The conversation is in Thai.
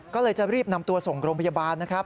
ก็เลยจะรีบนำตัวส่งโรงพยาบาลนะครับ